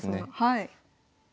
はい。